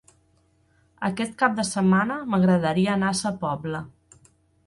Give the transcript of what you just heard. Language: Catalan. Aquest cap de setmana m'agradaria anar a Sa Pobla.